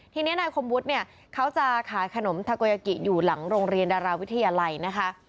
ทีนี้นายคมวุฒิเนี่ยเขาจะขายขนมทาโกยากิอยู่หลังโรงเรียนดาราวิทยาลัยนะคะ